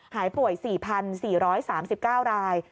หายป่วย๔๔๓๙ราย